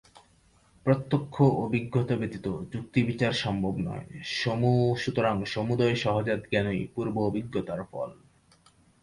প্রত্যক্ষ অভিজ্ঞতা ব্যতীত যুক্তিবিচার সম্ভব নয়, সুতরাং সমুদয় সহজাত জ্ঞানই পূর্ব অভিজ্ঞতার ফল।